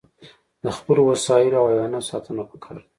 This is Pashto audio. د خپلو وسایلو او حیواناتو ساتنه پکار ده.